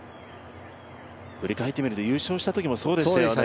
振り返ってみると優勝したときもそうでしたよね。